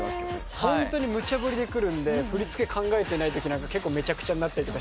ホントに無茶ぶりでくるんで振り付け考えてないときなんか結構めちゃくちゃになったり。